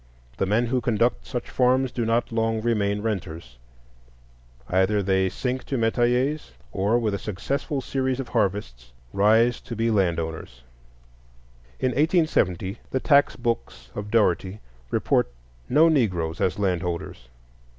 The men who conduct such farms do not long remain renters; either they sink to metayers, or with a successful series of harvests rise to be land owners. In 1870 the tax books of Dougherty report no Negroes as landholders.